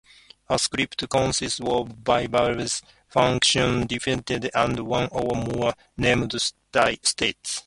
A script consists of variables, function definitions, and one or more named states.